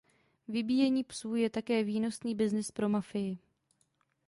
Vybíjení psů je také výnosný byznys pro mafii.